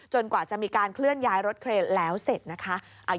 กว่าจะมีการเคลื่อนย้ายรถเครนแล้วเสร็จนะคะ